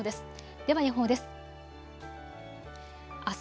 では予報です。